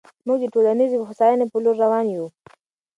موږ د ټولنیزې هوساینې په لور روان یو.